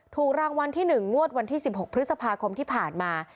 ถูกรางวัลที่๑งวดวันที่๑๖พฤษภาคมที่ผ่านมา